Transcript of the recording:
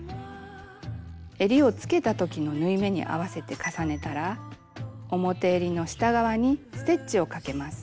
えりをつけたときの縫い目に合わせて重ねたら表えりの下側にステッチをかけます。